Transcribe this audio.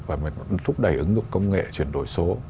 và thúc đẩy ứng dụng công nghệ chuyển đổi số